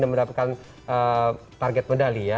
dan mendapatkan target medali ya